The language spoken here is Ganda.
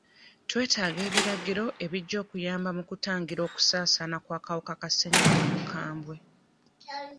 Twetaaga ebiragiro ebigya okuyamba mu kutangira okusaasaana kw'akawuka ka ssenyiga omukambwe.